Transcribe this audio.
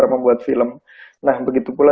membuat film nah begitu pula